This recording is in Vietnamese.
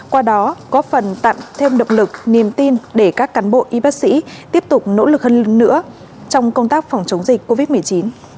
qua đó góp phần tạo thêm động lực niềm tin để các cán bộ y bác sĩ tiếp tục nỗ lực hơn nữa trong công tác phòng chống dịch covid một mươi chín